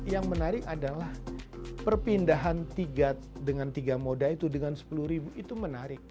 yang menarik adalah perpindahan tiga dengan tiga moda itu dengan sepuluh ribu itu menarik